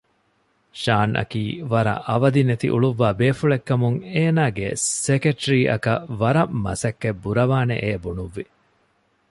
ޝާން އަކީ ވަރަށް އަވަދި ނެތި އުޅުއްވާ ބޭފުޅެއް ކަމުން އޭނާގެ ސެކެޓްރީއަކަށް ވަރަށް މަސައްކަތް ބުރަވާނެއޭ ބުނުއްވި